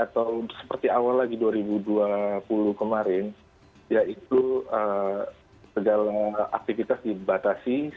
ya seperti awal lagi dua ribu dua puluh kemarin ya itu segala aktivitas dibatasi